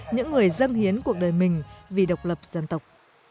những người dân hiến cuộc đời mình vì độc lập dân tộc